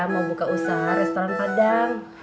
mau buka usaha restoran padang